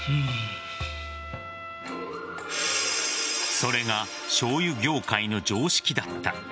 それがしょうゆ業界の常識だった。